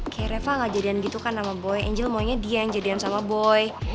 kayak reva gak jadian gitu kan sama boy angel maunya dieng jadian sama boy